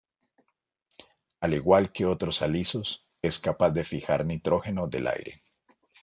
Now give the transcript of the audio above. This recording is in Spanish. Al igual que otros alisos, es capaz de fijar nitrógeno del aire.